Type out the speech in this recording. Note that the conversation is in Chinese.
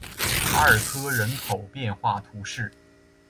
阿尔科人口变化图示